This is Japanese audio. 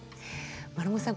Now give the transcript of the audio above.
丸茂さん